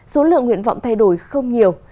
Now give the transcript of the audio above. số lượng nguyện vọng thay đổi không nhiều